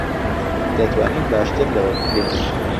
دەتوانین باشتر لەوە بکەین.